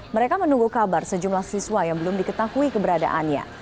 mereka menunggu kabar sejumlah siswa yang belum diketahui keberadaannya